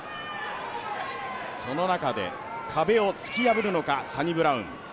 その中で壁を突き破るのかサニブラウン。